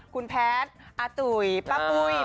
คุณแพทย์อาตุ๋ยป้าปุ้ย